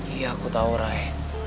iya aku tau ray